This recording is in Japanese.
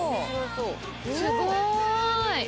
すごーい！